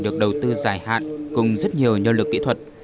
hàn quốc sẽ được đầu tư dài hạn cùng rất nhiều nhân lực kỹ thuật